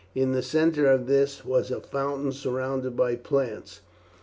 In the centre of this was a fountain surrounded by plants.